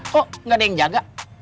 kok gak ada yang jaga